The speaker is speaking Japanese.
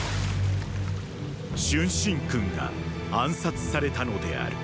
春申君が暗殺されたのである。